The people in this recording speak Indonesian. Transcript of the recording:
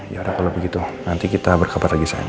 ya yaudah kalau begitu nanti kita berkabar lagi sayang ya